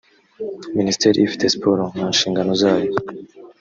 minisiteri ifite siporo mu nshingano zayo